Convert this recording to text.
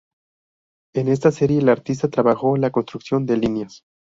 En esta serie, la artista trabajó la construcción de líneas.